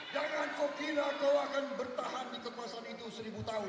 jangan kau kira kau akan bertahan di kekuasaan itu seribu tahun